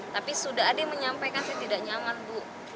tapi sudah ada yang menyampaikan saya tidak nyaman bu